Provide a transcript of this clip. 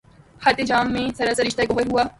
خطِ جامِ مے سراسر، رشتہٴ گوہر ہوا